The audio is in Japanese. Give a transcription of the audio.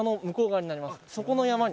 そこの山に。